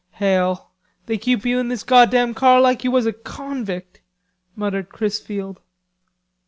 "Hell! They keep you in this goddam car like you was a convict," muttered Chrisfield.